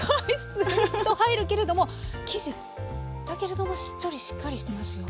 スーッと入るけれども生地だけれどもしっとりしっかりしてますよ。